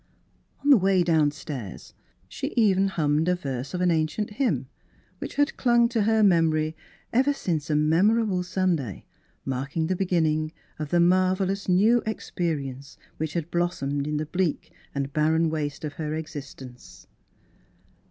[ 6 ] Miss Fhilura's Wedding Gown On the way downstairs she even hummed a verse of an ancient hymn, which had clung to her memory ever since a memorable Sunday marking the beginning of the marvellous new experience which had blossomed in the bleak and barren waste of her existence.